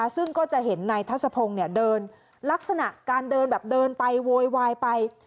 ซึ่งก็จะเห็นนายทัศพงศ์เดินลักษณะการเดินแบบเดินไปโวยวายไป